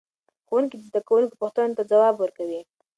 ښوونکي د زده کوونکو پوښتنو ته ځواب ورکوي.